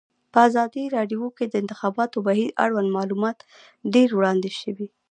په ازادي راډیو کې د د انتخاباتو بهیر اړوند معلومات ډېر وړاندې شوي.